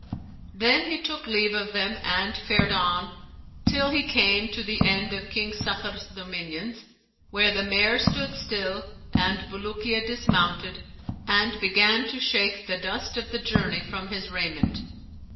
Then he took leave of them and fared on, till he came to the end of King Sakhr's dominions, where the mare stood still and Bulukiya dismounted and began to shake the dust of the journey from his raiment.